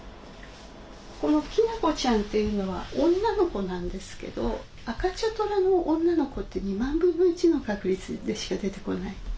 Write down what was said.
このキナコちゃんっていうのは女の子なんですけど赤茶トラの女の子って２万分の１の確率でしか出てこない。